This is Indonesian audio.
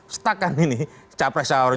setakat ini capres cawapres